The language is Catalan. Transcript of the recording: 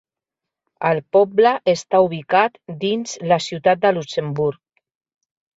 El poble està ubicat dins la ciutat de Luxemburg.